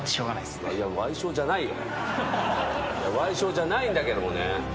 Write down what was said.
矮小じゃないんだけどもね。